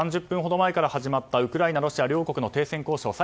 ３０分ほど前から始まったウクライナ、ロシアの停戦交渉。